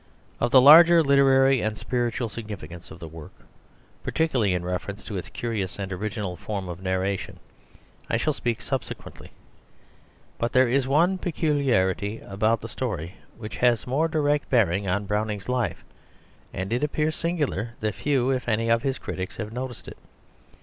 Of the larger literary and spiritual significance of the work, particularly in reference to its curious and original form of narration, I shall speak subsequently. But there is one peculiarity about the story which has more direct bearing on Browning's life, and it appears singular that few, if any, of his critics have noticed it.